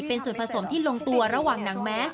เป็นส่วนผสมที่ลงตัวระหว่างหนังแมส